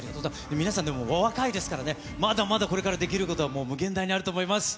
皆さん、でも、お若いですからね、まだまだこれからできることは、無限大にあると思います。